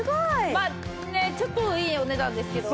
まあねちょっといいお値段ですけど。